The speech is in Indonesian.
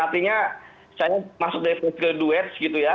artinya saya masuk dari fgduets gitu ya